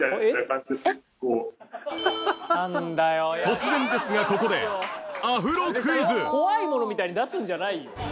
突然ですがここで怖いものみたいに出すんじゃないよ。